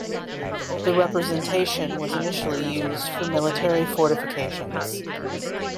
The representation was initially used for military fortifications.